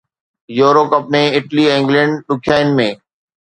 euro cup ۾ Italy ۽ England ڏکيائين ۾